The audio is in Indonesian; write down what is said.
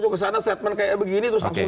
ke sana statement kayak begini terus langsung